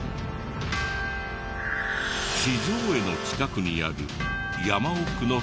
地上絵の近くにある山奥の建物。